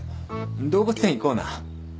動物園行こうな。